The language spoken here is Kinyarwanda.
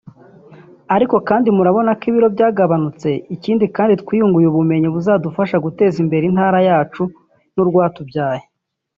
ariko bamwe murabona ko ibiro byagabanutse ikindi kandi twiyunguye ubumenyi buzadufasha guteza imbere intara yacu n’urwatubyaye